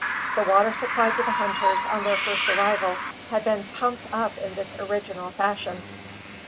The water supplied to the hunters on their first arrival had been "pumped" up in this original fashion!